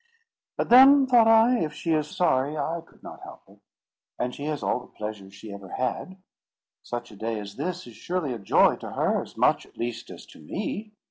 "But then," thought I, "if she is sorry, I could not help it; and she has all the pleasures she ever had. Such a day as this is surely a joy to her, as much at least as to me.